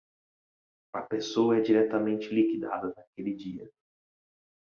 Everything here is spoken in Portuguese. A pessoa é diretamente liquidada naquele dia.